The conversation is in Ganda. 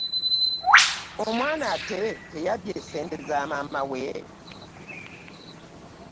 Omwana aate teyabbye sente z'a maama we ?